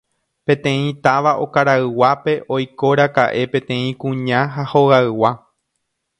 peteĩ táva okarayguápe oikóraka'e peteĩ kuña ha hogaygua